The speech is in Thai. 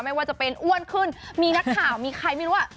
ไม่ว่าจะเป็นอ้วนขึ้นมีนักข่าวมีใครไม่รู้ว่า